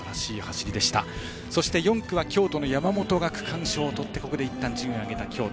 そして４区は京都の山本が区間賞をとってここでいったん順位を上げた京都。